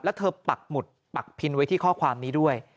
แล้วเธอปักหมุดปักพินไว้ที่ข้อความนี้ด้วย